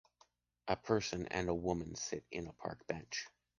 A person and a woman sit in a park bench.